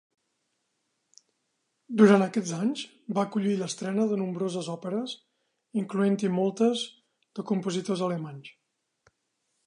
Durant aquests anys, va acollir l'estrena de nombroses òperes, incloent-hi moltes de compositors alemanys.